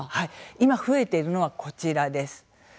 今、増えているのはこちらです。